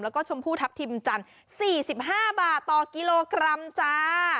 แล้วก็ชมพูทัพทิมจันทร์๔๕บาทต่อกิโลกรัมจ้า